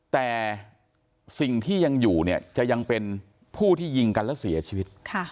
แต่สิ่งที่ยังอยู่เนี่ยจะยังเป็นผู้ที่ยิงกันแล้วเสียชีวิต